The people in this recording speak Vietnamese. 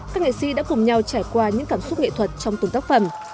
các nghệ sĩ đã cùng nhau trải qua những cảm xúc nghệ thuật trong từng tác phẩm